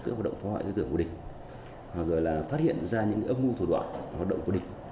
hoạt động phá hoại giới tưởng của địch hoặc là phát hiện ra những ước mưu thủ đoạn hoạt động của địch